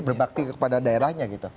berbakti kepada daerahnya gitu